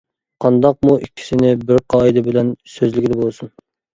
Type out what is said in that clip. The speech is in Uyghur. قانداقمۇ ئىككىسىنى بىر قائىدە بىلەن سۆزلىگىلى بولسۇن.